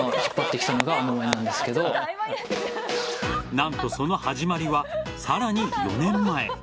何と、その始まりはさらに４年前。